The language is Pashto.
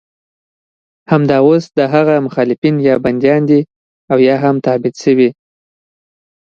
همدا اوس د هغه مخالفین یا بندیان دي او یا هم تبعید شوي.